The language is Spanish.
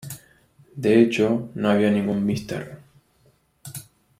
De hecho, no había ningún "Mr.